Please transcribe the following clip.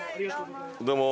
どうも！